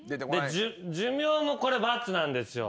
寿命もこれバツなんですよ。